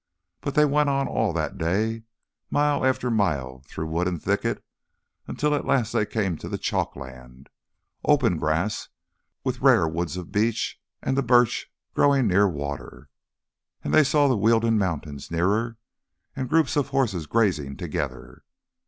But they went on all that day, mile after mile, through wood and thicket, until at last they came to the chalkland, open grass with rare woods of beech, and the birch growing near water, and they saw the Wealden mountains nearer, and groups of horses grazing together.